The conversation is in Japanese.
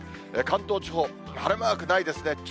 関東地方、晴れマークないですね。